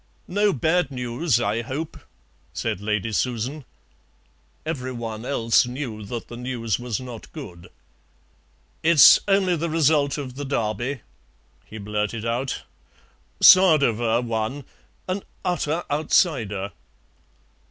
"No bad news, I hope," said Lady Susan. Every one else knew that the news was not good. "It's only the result of the Derby," he blurted out; "Sadowa won; an utter outsider."